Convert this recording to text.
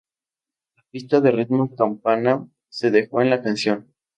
La pista de ritmo campana se dejó en la canción.